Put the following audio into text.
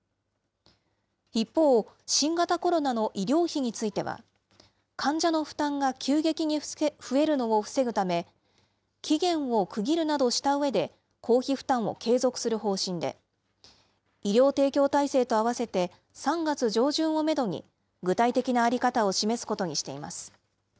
一方、新型コロナの医療費については、患者の負担が急激に増えるのを防ぐため、期限を区切るなどしたうえで、公費負担を継続する方針で、医療提供体制とあわせて、３月上旬をメドに具体的な在り方を示すことにしています。